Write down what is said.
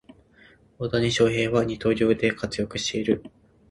大谷翔平は二刀流で活躍している